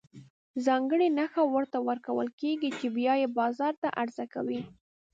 ځانګړې نښه ورته ورکول کېږي چې بیا یې بازار ته عرضه کوي.